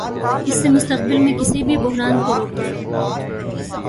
اس سے مستقبل میں کسی بھی بحران کو روکا